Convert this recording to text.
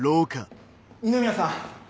二宮さん！